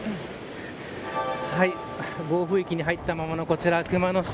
暴風域に入ったままの熊野市。